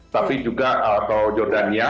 tapi juga atau jordania